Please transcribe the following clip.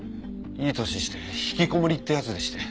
いい年して引きこもりってやつでして。